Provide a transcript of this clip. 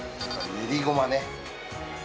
練りごま！